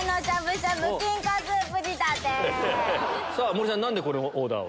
森さん何でこれをオーダー？